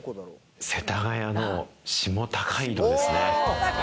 世田谷の下高井戸ですね。